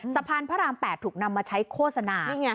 สะพานพระราม๘ถูกนำมาใช้โฆษณา